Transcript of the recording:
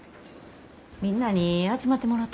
みんなに集まってもろて。